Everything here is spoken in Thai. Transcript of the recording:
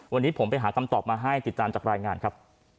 วันนี้ผมไปหาคำตอบมาให้ติดตามจากรายงานครับ